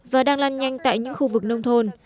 và đang lan nhanh tại những khu vực nông thôn